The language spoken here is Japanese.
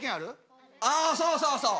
ああそうそうそう。